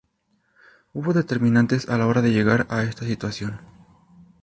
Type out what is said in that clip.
Hubo determinantes a la hora de llegar a esta situación.